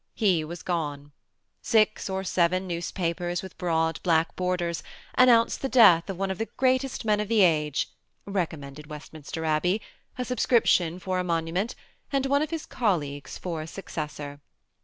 He was gone. Six or seven newspapers, with broad, black bor ders, announced the death of one of the greatest men of the age, — recommended Westminster Abbey, — a sub THfi S£MI ATTACH£D COUPLE. 255 gcription for a monumeDt, — and one of bis colleagues for a successor.